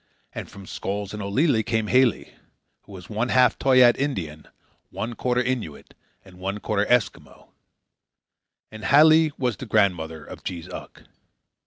And from Skolkz and Olillie came Halie, who was one half Toyaat Indian, one quarter Innuit, and one quarter Eskimo. And Halie was the grandmother of Jees Uck.